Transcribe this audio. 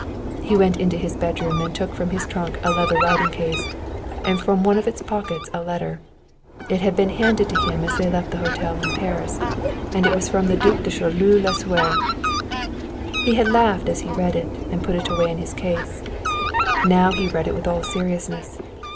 He went into his bedroom and took from his trunk a leather writing case, and from one of its pockets a letter. It had been handed to him as they left the hotel in Paris, and was from the Duc de Choleaux Lasuer. He had laughed as he read it and put it away in his case. Now he read it with all seriousness.